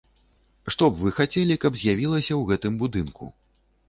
Што б вы хацелі, каб з'явілася ў гэтым будынку?